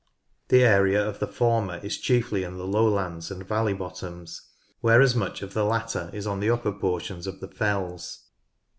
The area of the former is chiefly in the lowlands and valley bottoms, whereas much of the latter is on the upper portions of the fells.